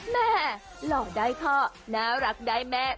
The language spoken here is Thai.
แม่หลอกได้ข้อน่ารักได้แม่